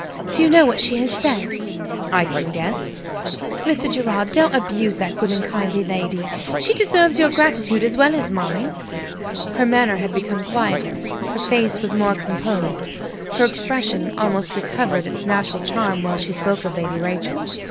"Do you know what she has said?" "I can guess." "Mr. Gerard, don't abuse that good and kind lady. She deserves your gratitude as well as mine." Her manner had become quieter; her face was more composed; her expression almost recovered its natural charm while she spoke of Lady Rachel.